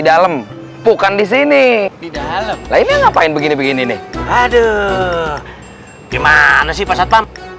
dalam bukan disini di dalam lainnya ngapain begini begini nih aduh gimana sih pasapam